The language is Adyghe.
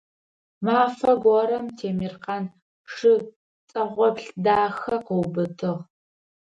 Мафэ горэм Темиркъан шы пцӀэгъоплъ дахэ къыубытыгъ.